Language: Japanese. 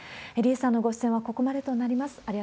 李さんのご出演はここまでとなります。